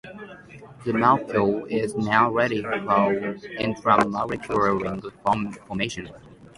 The molecule is now ready for intramolecular ring formation.